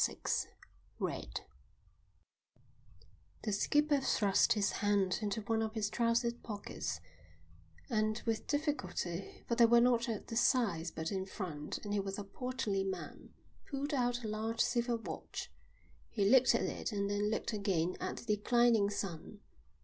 IV Red The skipper thrust his hand into one of his trouser pockets and with difficulty, for they were not at the sides but in front and he was a portly man, pulled out a large silver watch. He looked at it and then looked again at the declining sun.